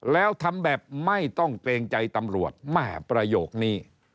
แล้วทำแบบไม่ต้องเกรงใจตำรวจแม่ประโยคนี้